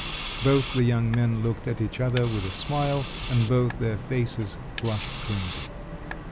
Both the young men looked at each other with a smile, and both their faces flushed crimson.